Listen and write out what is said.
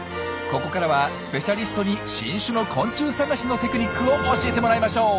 ここからはスペシャリストに新種の昆虫探しのテクニックを教えてもらいましょう！